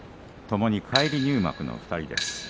ともに返り入幕の２人です。